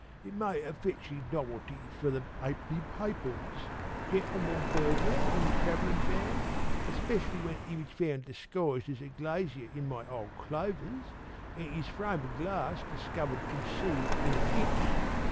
It made a fetchin' novelty for the 'a'penny papers 'Gentleman Burglar in a Travelling Van,' especially when 'e was found disguised as a glazier in my old clothers, an' 'is frame o' glass discovered concealed in a ditch.